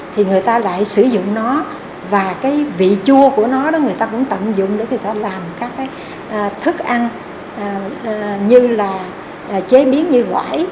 thì người ta lại sử dụng nó và cái vị chua của nó đó người ta cũng tận dụng để người ta làm các cái thức ăn như là chế biến như quãi